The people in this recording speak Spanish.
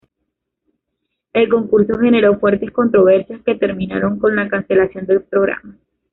El concurso generó fuertes controversias que terminaron con la cancelación del programa.